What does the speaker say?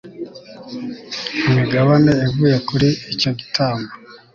imigabane ivuye kuri icyo gitambo